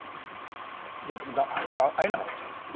じゃ会えなかったんですか？